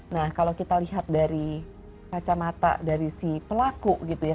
nah kalau kita lihat dari kacamata dari si pelaku gitu ya